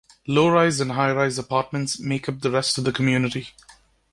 Low-rise and high-rise apartments make up the rest of the community.